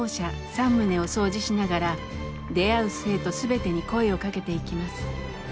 ３棟を掃除しながら出会う生徒全てに声をかけていきます。